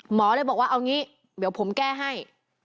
หมอเลยบอกว่าเอางี้เดี๋ยวผมแก้ให้